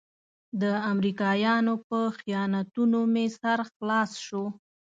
د امريکايانو په خیانتونو مې سر خلاص شو.